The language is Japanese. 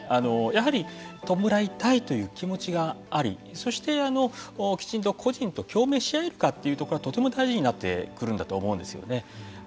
やはり弔いたいという気持ちがありそしてきちんと故人と共鳴し合えるかというところがとても大事になってくるんだと思うんですよね。